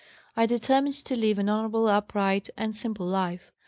I determined to live an honorable, upright, but simple life.